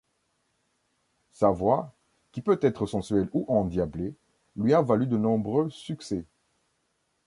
Sa voix, qui peut être sensuelle ou endiablée, lui a valu de nombreux succès.